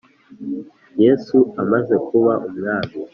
Yesu amaze kuba Umwami